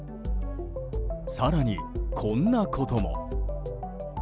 更に、こんなことも。